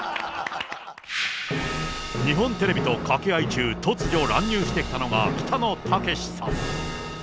日本テレビとかけ合い中、突如、乱入してきたのが北野武さん。